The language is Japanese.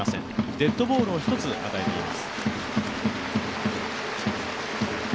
デッドボールを１つ与えています。